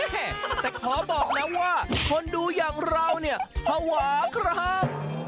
แต่ขอบอกนะว่าคนดูอย่างเราเนี่ยภาวะครับ